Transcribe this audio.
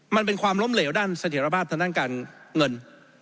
มันเป็นความล้มเหลวด้านเสถียรภาพทางด้านการเงิน